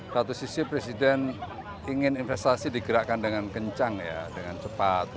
satu sisi presiden ingin investasi digerakkan dengan kencang ya dengan cepat